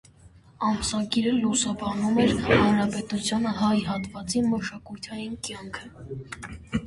Ամսագիրը լուսաբանում էր հանրապետության հայ հատվածի մշակութային կյանքը։